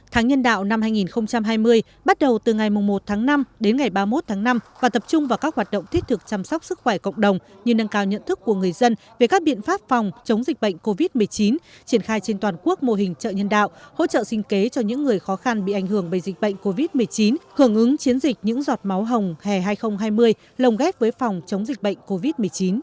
tháng nhân đạo năm hai nghìn hai mươi bắt đầu từ ngày một tháng năm đến ngày ba mươi một tháng năm và tập trung vào các hoạt động thiết thực chăm sóc sức khỏe cộng đồng như nâng cao nhận thức của người dân về các biện pháp phòng chống dịch bệnh covid một mươi chín triển khai trên toàn quốc mô hình chợ nhân đạo hỗ trợ sinh kế cho những người khó khăn bị ảnh hưởng bởi dịch bệnh covid một mươi chín hưởng ứng chiến dịch những giọt máu hồng hè hai nghìn hai mươi lồng ghép với phòng chống dịch bệnh covid một mươi chín